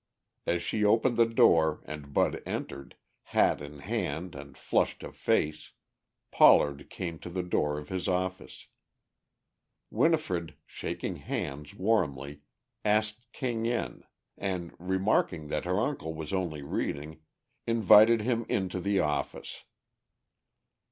As she opened the door, and Bud entered, hat in hand and flushed of face, Pollard came to the door of his office. Winifred, shaking hands warmly, asked King in, and remarking that her uncle was only reading, invited him into the office.